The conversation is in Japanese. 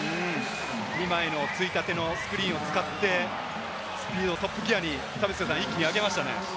２枚のついたてのスクリーンを使ってスピードをトップギアに田臥さん、一気に上げましたね。